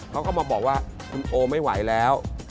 เขาก็มาบอกว่าคุณโอไม่ไหวแล้ว